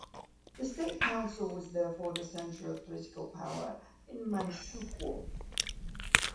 The State Council was therefore the center of political power in Manchukuo.